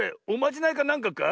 おまじないかなんかか？